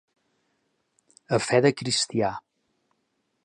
A fe de cristià.